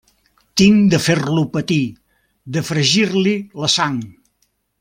Tinc de fer-lo patir, de fregir-li la sang.